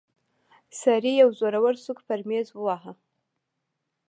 سړي يو زورور سوک پر ميز وواهه.